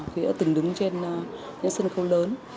khi đã từng đứng trên những sân khấu lớn